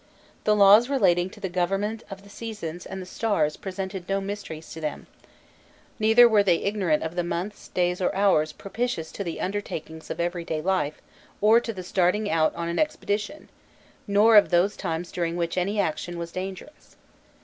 The laws relating to the government of the seasons and the stars presented no mysteries to them, neither were they ignorant of the months, days, or hours propitious to the undertakings of everyday life or the starting out on an expedition, nor of those times during which any action was dangerous.